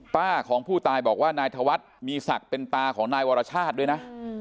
ป้าของผู้ตายบอกว่านายธวัฒน์มีศักดิ์เป็นตาของนายวรชาติด้วยนะ